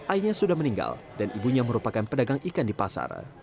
ayahnya sudah meninggal dan ibunya merupakan pedagang ikan di pasar